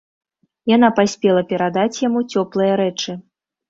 Яна паспела перадаць яму цёплыя рэчы.